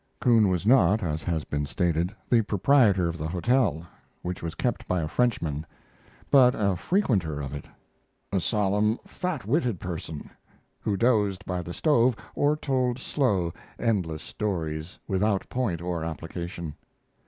Coon was not (as has been stated) the proprietor of the hotel (which was kept by a Frenchman), but a frequenter of it.] a solemn, fat witted person, who dozed by the stove, or old slow, endless stories, without point or application.